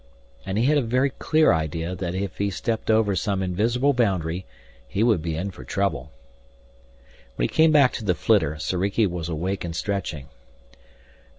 And he had a very clear idea that if he stepped over some invisible boundary he would be in for trouble. When he came back to the flitter, Soriki was awake and stretching.